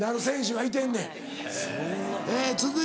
はい。